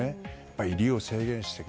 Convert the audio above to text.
入りを制限していく。